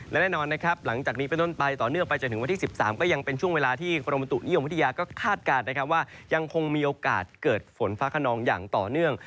ยังคงมีโอกาสเกิดฝนฟ้าขนองอย่างต่อเนื่อง